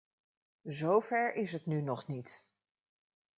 Zover is het nu nog niet.